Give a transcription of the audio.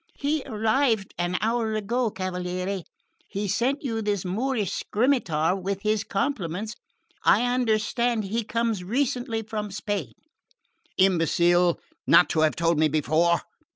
"He arrived an hour ago, cavaliere. He sent you this Moorish scimitar with his compliments. I understand he comes recently from Spain." "Imbecile, not to have told me before!